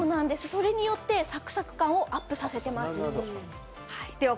それによってサクサク感をアップさせてるんです。